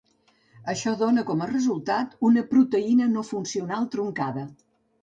Això dóna com a resultat una proteïna no funcional truncada.